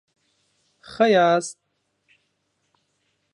ښه یاست؟